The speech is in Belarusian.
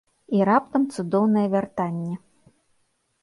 І раптам цудоўнае вяртанне.